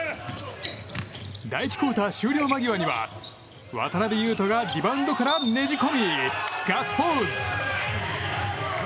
第１クオーター終了間際には渡邊雄太がリバウンドからねじ込みガッツポーズ！